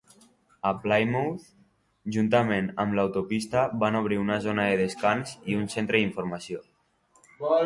A Plymouth, juntament amb l'autopista, van obrir una zona de descans i un centre d'informació.